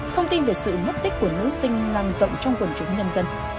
thông tin về sự mất tích của nữ sinh lan rộng trong quần chúng nhân dân